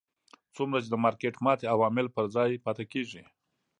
څومره چې د مارکېټ ماتې عوامل پر ځای پاتې کېږي.